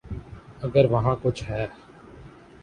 اگر وہاں کچھ ہے۔